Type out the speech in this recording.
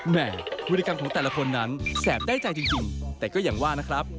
พฤติกรรมของแต่ละคนนั้นแสบได้ใจจริงแต่ก็อย่างว่านะครับ